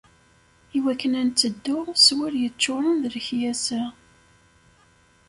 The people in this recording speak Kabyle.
Iwakken ad netteddu s wul yeččuren d lekyasa.